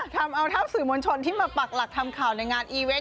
ทำเอาเท่าสื่อมวลชนที่มาปักหลักทำข่าวในงานอีเวนต์